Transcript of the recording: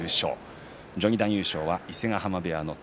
序二段は伊勢ヶ濱部屋尊